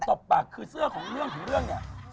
ตบปากคือเสื้อของเรื่องของเรื่องเนี่ย